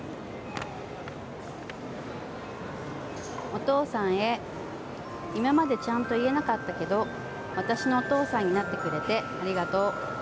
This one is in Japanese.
お父さんへ今までちゃんと言えなかったけど私のお父さんになってくれてありがとう。